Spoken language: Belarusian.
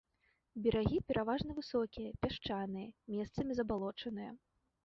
Берагі пераважна высокія, пясчаныя, месцамі забалочаныя.